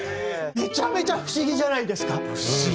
めちゃめちゃ不思議じゃないですか？